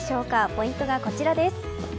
ポイントがこちらです。